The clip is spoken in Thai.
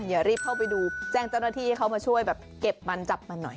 อย่ารีบเข้าไปดูแจ้งเจ้าหน้าที่ให้เขามาช่วยแบบเก็บมันจับมันหน่อย